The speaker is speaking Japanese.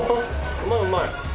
うまいうまい。